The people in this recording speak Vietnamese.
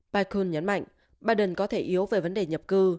bakun nhấn mạnh biden có thể yếu về vấn đề nhập cư